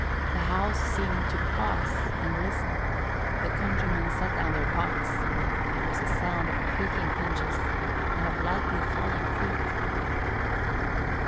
The house seemed to pause and listen; the countrymen set down their pots; there was a sound of creaking hinges and of lightly falling feet.